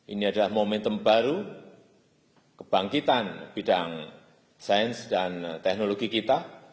ini adalah momentum baru kebangkitan bidang sains dan teknologi kita